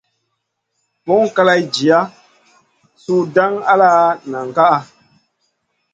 Buŋ kaley jih su dang ala nen kaʼa.